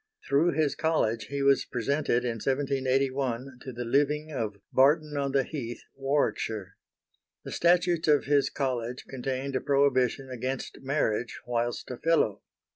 Through his College he was presented in 1781 to the living of Barton on the heath, Warwickshire. The Statutes of his College contained a prohibition against marriage whilst a Fellow.